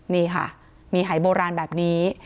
นี่ค่ะมีหายโบราณแบบนี้